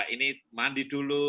ini mandi dulu